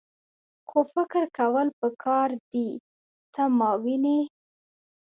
خو فکر کول پکار دي . ته ماوینې؟